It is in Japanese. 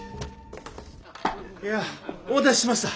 お待たせしました。